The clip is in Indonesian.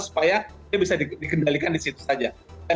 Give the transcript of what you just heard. supaya dia bisa dikendalikan di situ saja